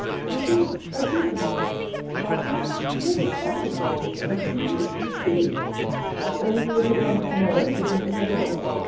I do, I do forgive you! Heartily? Yes, heartily! And freely? Freely! And will you look upon me to morrow as if nothing had passed?